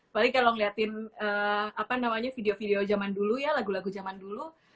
paling kalau ngeliatin video video zaman dulu ya lagu lagu zaman dulu